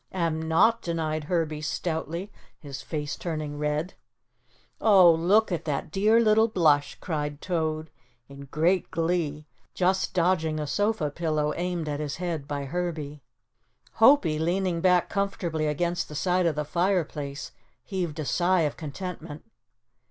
"Am not," denied Herbie stoutly, his face turning red. "Oh, look at the little dear blush," cried Toad in great glee, just dodging the sofa pillow aimed at his head by Herbie. Hopie, leaning back comfortably against the side of the fireplace, heaved a sigh of contentment.